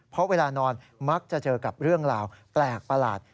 เพราะเวลานอนมักจะเจอกับเรื่องราวแปลกประหลาด